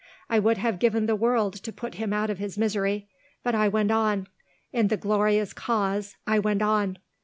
I would have given the world to put him out of his misery. But I went on. In the glorious cause I went on.